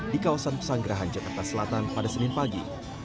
di kawasan pesanggerahan jakarta selatan pada senin pagi